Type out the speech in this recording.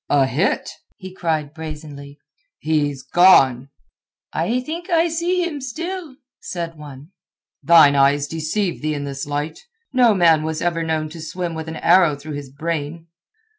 "A hit!" he cried brazenly. "He's gone!" "I think I see him still," said one. "Thine eyes deceive thee in this light. No man was ever known to swim with an arrow through his brain."